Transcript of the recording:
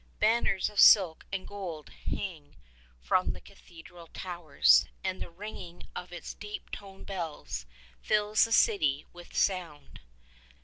Banners of silk and gold hang from the cathedral tow ers, and the ringing of its deep toned bells fills the city with sound.